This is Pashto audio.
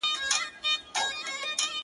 یو ګیدړ کښته له مځکي ورکتله؛